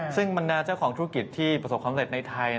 ซึ่งบรรดาเจ้าของธุรกิจที่ประสบความเสร็จในไทย